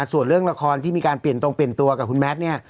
ส่วนเรื่องละครที่มีการเปลี่ยนตรงเปลี่ยนตัวกับคุณแมทเนี่ย